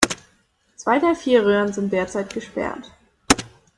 Zwei der vier Röhren sind derzeit gesperrt.